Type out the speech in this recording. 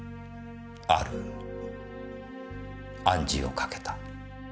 ある暗示をかけた。